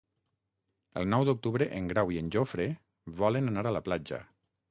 El nou d'octubre en Grau i en Jofre volen anar a la platja.